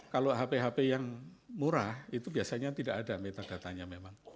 kalau hp hp yang murah itu biasanya tidak ada metadatanya memang